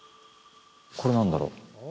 これ何だろう？